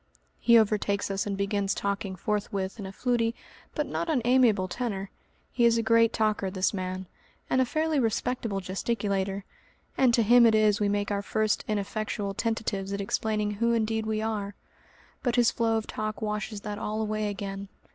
He overtakes us and begins talking forthwith in a fluty, but not unamiable, tenor. He is a great talker, this man, and a fairly respectable gesticulator, and to him it is we make our first ineffectual tentatives at explaining who indeed we are; but his flow of talk washes that all away again.